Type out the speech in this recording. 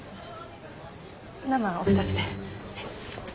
生お二つで。